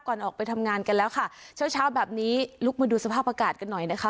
ออกไปทำงานกันแล้วค่ะเช้าเช้าแบบนี้ลุกมาดูสภาพอากาศกันหน่อยนะคะ